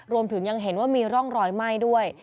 รวมถึงยังเห็นว่ามีร่องรอยไหม้ด้วย